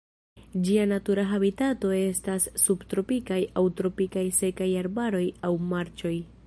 Ĝia natura habitato estas subtropikaj aŭ tropikaj sekaj arbaroj aŭ marĉoj.